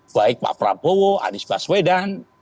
baik pak prabowo anies baswedan